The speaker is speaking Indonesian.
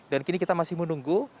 dan kini kita masih menunggu